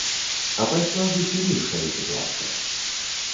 А пайшла зусім іншая сітуацыя.